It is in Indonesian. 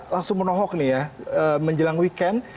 langsung menohok nih ya menjelang weekend